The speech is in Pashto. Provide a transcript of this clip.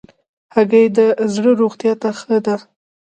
هګۍ د زړه روغتیا ته ښه ده.